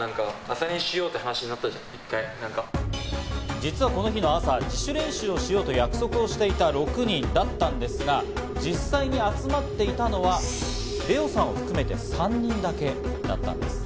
実はこの日の朝、自主練習をしようと約束をしていた６人だったんですが、実際に集まっていたのはレオさんを含めて３人だけだったんです。